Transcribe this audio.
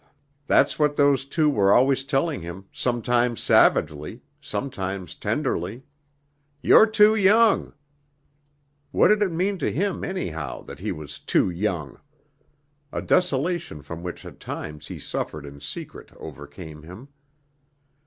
That's what those two were always telling him, sometimes savagely, sometimes tenderly! "You're too young." What did it mean to him, anyhow, that he was "too young"? A desolation from which at times he suffered in secret overcame him.